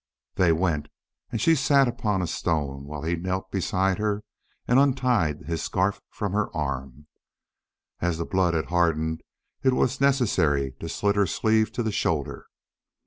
They went, and she sat upon a stone while he knelt beside her and untied his scarf from her arm. As the blood had hardened, it was necessary to slit her sleeve to the shoulder.